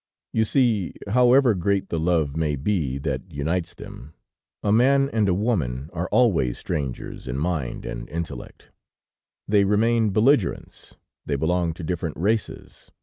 "You see, however great the love may be that unites them, a man and a woman are always strangers in mind and intellect; they remain belligerants, they belong to different races.